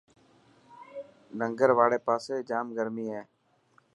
ننگر واڙي پاسي ڄام گرمي هي.